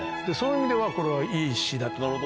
そういう意味ではこれはいい詩だと。